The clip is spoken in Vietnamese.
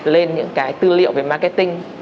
lên những cái tư liệu về marketing